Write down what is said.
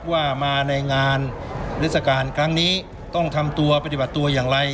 ว่ามาในงานฤษการครั้งนี้ต้องทำตัวปฏิบัติตัวอย่างไร